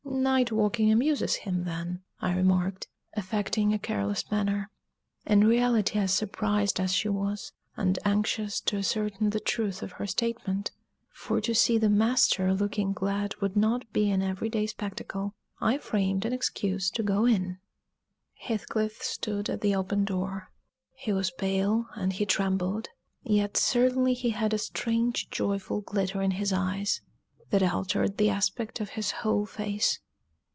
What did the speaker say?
"Night walking amuses him, then," I remarked, affecting a careless manner; in reality as surprised as she was, and anxious to ascertain the truth of her statement for to see the master looking glad would not be an every day spectacle; I framed an excuse to go in. Heathcliff stood at the open door he was pale, and he trembled; yet certainly he had a strange joyful glitter in his eyes, that altered the aspect of his whole face.